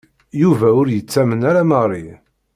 Yuba ur yettamen ara Mary.